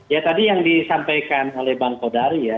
ya tadi yang disampaikan oleh bang kodari ya